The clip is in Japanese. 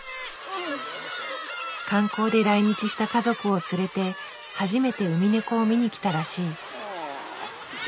観光で来日した家族を連れて初めてウミネコを見に来たらしい。